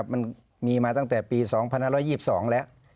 มันมีมาตั้งแต่ปี๒๕๒๒แล้ว